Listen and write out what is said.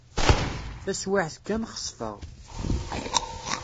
Taswiɛt kan, xesfeɣ.